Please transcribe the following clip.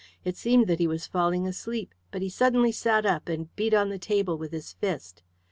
It seemed that he was falling asleep, but he suddenly sat up and beat on the table with his fist.